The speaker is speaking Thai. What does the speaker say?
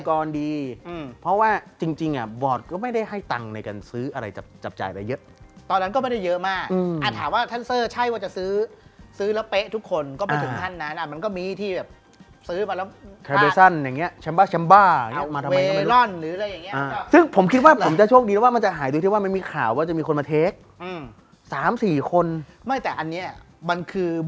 กรณ์ดีอืมเพราะว่าจริงจริงอ่ะบอร์ดก็ไม่ได้ให้ตังในการซื้ออะไรจับจ่ายไปเยอะตอนนั้นก็ไม่ได้เยอะมากอืมอ่าถามว่าท่านเซอร์ใช่ว่าจะซื้อซื้อระเปะทุกคนก็ไปถึงท่านนั้นอ่ะมันก็มีที่แบบซื้อมาแล้วแคเบสันอย่างเงี้ยแชมป้าแชมป้าอย่างเงี้ยมาทำไมก็ไม่รู้เวรอนหรือ